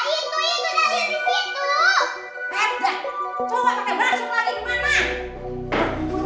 itu itu dari situ